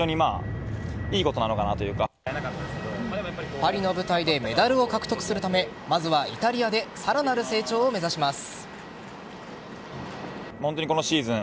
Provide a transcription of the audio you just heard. パリの舞台でメダルを獲得するためまずはイタリアでさらなる成長を目指します。